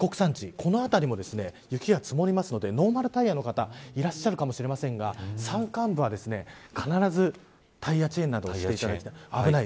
この辺りも雪が積もるのでノーマルタイヤの方いらっしゃるかもしれませんが山間部は必ずタイヤチェーンなどをしていただきたい。